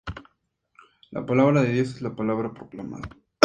La palabra de Dios es palabra proclamada.